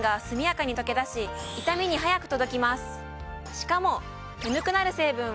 しかも。